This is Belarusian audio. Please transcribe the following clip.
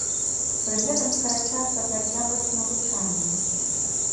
Пры гэтым скарачаецца працягласць навучання.